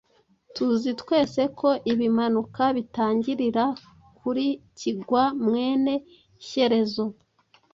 Tuzi twese ko Ibimanuka bitangirira kuri Kigwa mwene Shyerezo